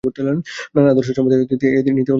নানা আদর্শ সম্বন্ধে এই রীতি অনুসৃত হইল।